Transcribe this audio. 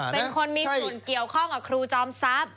เป็นคนมีส่วนเกี่ยวข้องกับครูจอมทรัพย์